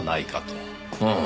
うん。